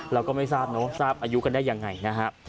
เราก็ไม่ทราบเนอะทราบอายุกันได้ยังไงนะฮะ